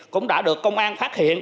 cũng đã được công an phát hiện